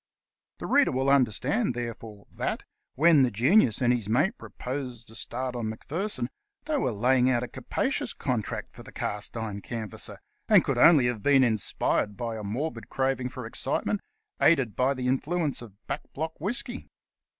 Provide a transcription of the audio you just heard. The reader will understand, therefore, that, when the Genius and his mate proposed to start on Macpherson, they were laying out a capacious contract for the Cast iron Canvasser, and could only have been inspired by a morbid craving for excitement, aided by the influence of backblock whisky.